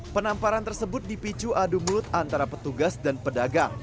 penamparan tersebut dipicu adu mulut antara petugas dan pedagang